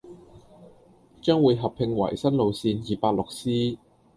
將會合併為新路線二八六 C，